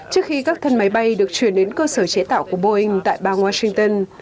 trước khi các thân máy bay được chuyển đến cơ sở chế tạo của boeing tại bang washington